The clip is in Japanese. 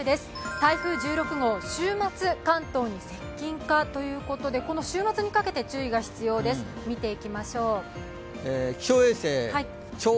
台風１６号、週末関東に接近かということでこの週末にかけて注意が必要です、見ていきましょう。